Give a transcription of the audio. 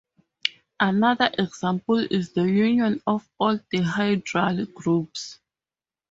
Another example is the union of all dihedral groups.